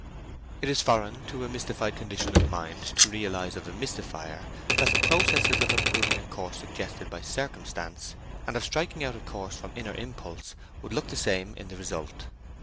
It is foreign to a mystified condition of mind to realize of the mystifier that the processes of approving a course suggested by circumstance, and of striking out a course from inner impulse, would look the same in the result.